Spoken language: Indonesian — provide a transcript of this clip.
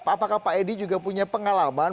apakah pak edi juga punya pengalaman